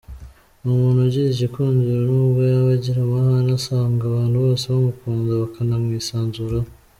Ni umuntu ugira igikundiro nubwo yaba agira amahane usanga abantu bose bamukunda bakanamwisanzuraho.